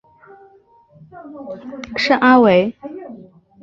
圣阿维。